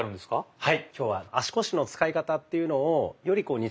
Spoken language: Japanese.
はい。